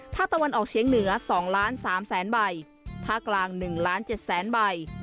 ภาคตะวันออกเชียงเหนือ๒ล้าน๓แสนใบภาคกลาง๑ล้าน๗แสนใบ